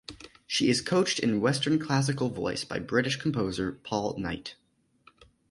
She is coached in Western classical voice by British Composer Paul Knight.